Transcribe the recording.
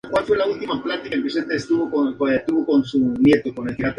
Existen indicativos de que existió un predecesor no comercial.